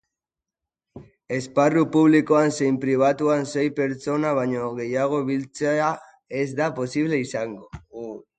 Esparru publikoan zein pribatuan sei pertsona baino gehiago biltzea ez da posible izango.